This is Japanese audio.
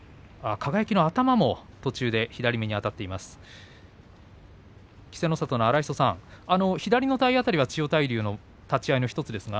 輝の頭も途中で左の目の上にあたっています。